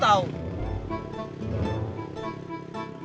kamu yang gak tau